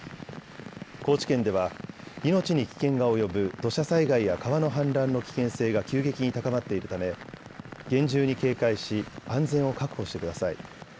高知県では命に危険が及ぶ土砂災害や川の氾濫の危険性が急激に高まっているため厳重に警戒し安全を確保してください。